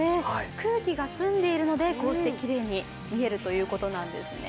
空気が澄んでいるので、こうしてきれいに見えるということなんですね。